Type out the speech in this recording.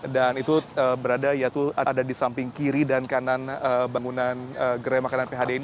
dan itu berada di samping kiri dan kanan bangunan gerai makanan phd ini